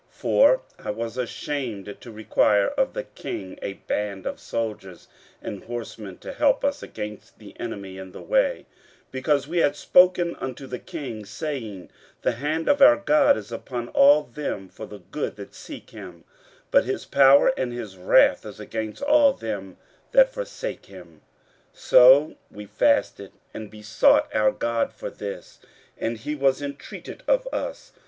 15:008:022 For I was ashamed to require of the king a band of soldiers and horsemen to help us against the enemy in the way: because we had spoken unto the king, saying, The hand of our God is upon all them for good that seek him; but his power and his wrath is against all them that forsake him. 15:008:023 So we fasted and besought our God for this: and he was intreated of us.